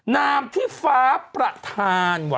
นามที่ฟ้าประธานว่ะ